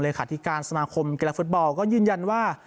เลยค่ะที่การสมาคมกีฬาฟุตเบาก็ยืนยันว่า